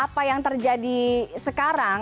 apa yang terjadi sekarang